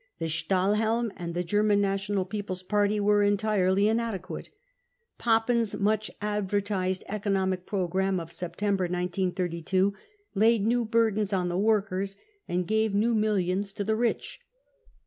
The Stahlhelm and the German National People's Party were entirely inadequate. Papen's much advertised economic programme of September 1932 laid new burdens on the workers and gave new millions to the rich.